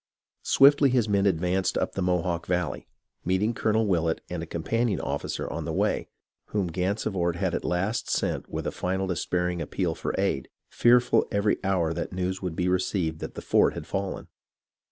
Swiftly his men advanced up the Mohawk Valley, meet ing Colonel VVillett and a companion officer on the way, whom Gansevoort had at last sent with a final despairing appeal for aid, fearful every hour that news would be re ceived that the fort had fallen.